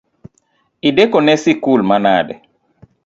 Idekone sikul manade?